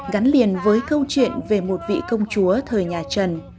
gắn liền với câu chuyện về một vị công chúa thời nhà trần